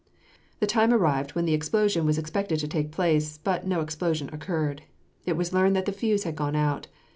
The time arrived when the explosion was expected to take place, but no explosion occurred. It was learned that the fuse had gone out.